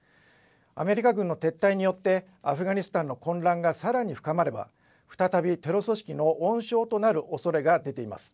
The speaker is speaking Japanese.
アメリカ軍の撤退によって、アフガニスタンの混乱がさらに深まれば、再びテロ組織の温床となるおそれが出ています。